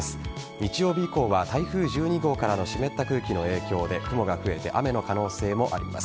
日曜日以降は台風１２号からの湿った空気の影響で雲が増えて雨の可能性もあります。